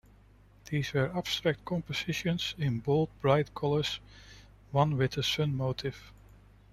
These were abstract compositions in bold, bright colours, one with a sun motif.